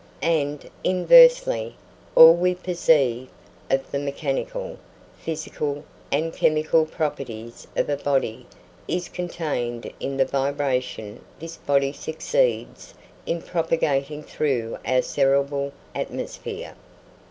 And, inversely, all we perceive of the mechanical, physical, and chemical properties of a body is contained in the vibration this body succeeds in propagating through our cerebral atmosphere.